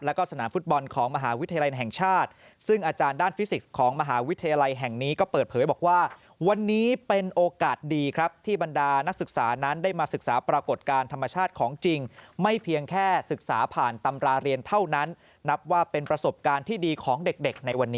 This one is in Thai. แล้วก็สนามฟุตบอลของมหาวิทยาลัยแห่งชาติซึ่งอาจารย์ด้านฟิสิกส์ของมหาวิทยาลัยแห่งนี้ก็เปิดเผยบอกว่าวันนี้เป็นโอกาสดีครับที่บรรดานักศึกษานั้นได้มาศึกษาปรากฏการณ์ธรรมชาติของจริงไม่เพียงแค่ศึกษาผ่านตำราเรียนเท่านั้นนับว่าเป็นประสบการณ์ที่ดีของเด็กเด็กในวันนี้